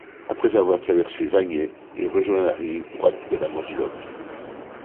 Après avoir traversé Vagney, il rejoint la rive droite de la Moselotte.